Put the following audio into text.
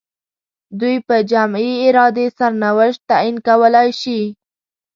دوی په جمعي ارادې سرنوشت تعیین کولای شي.